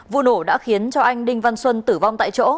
vụ nổ đã khiến cho anh đinh văn xuân tử vong tại chỗ